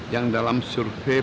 yang dalam survei